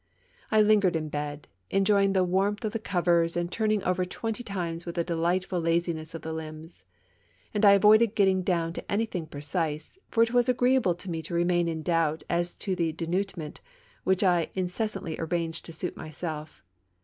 I lingered in bed, enjoying the warmth of the covers and turning over twenty times with a delightful laziness of the limbs. And I avoided getting down to anything precise, for it was agreeable to me to remain in doubt as to the denouement, which I incessantly arranged to suit myself.